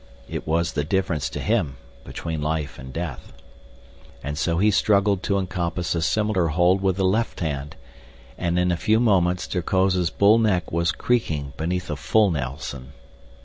It was the difference to him between life and death. And so he struggled to encompass a similar hold with the left hand, and in a few moments Terkoz's bull neck was creaking beneath a full Nelson.